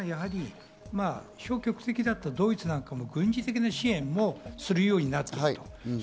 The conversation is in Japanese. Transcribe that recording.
消極的だったドイツも軍事的な支援をするようになった。